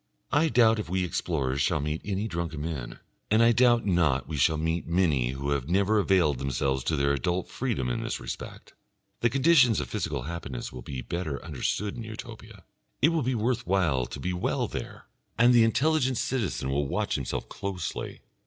I doubt if we explorers shall meet any drunken men, and I doubt not we shall meet many who have never availed themselves of their adult freedom in this respect. The conditions of physical happiness will be better understood in Utopia, it will be worth while to be well there, and the intelligent citizen will watch himself closely.